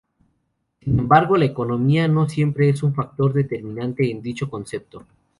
Sin embargo, la economía no es siempre un factor determinante en dicho concepto.